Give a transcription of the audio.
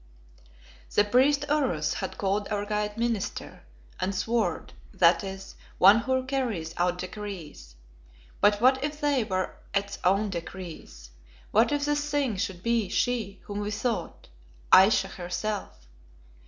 The priest Oros had called our guide Minister, and Sword, that is, one who carries out decrees. But what if they were its own decrees? What if this thing should be she whom we sought, _Ayesha herself?